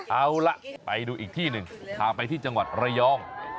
เอาล่ะไปดูอีกที่หนึ่งพาไปที่จังหวัดระยอง